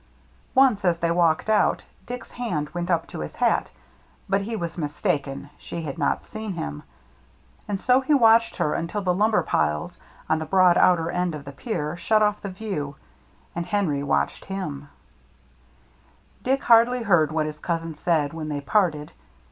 Once, as they walked out, Dick's hand went up to his hat ; but he was mistaken, she had not seen him. And so he watched her until the lumber piles, on the broad . outer end of the pier, shut off the view; and Henry watched him. 7» 72 THE MERRr ANNE Dick hardly heard what his cousin said when they parted.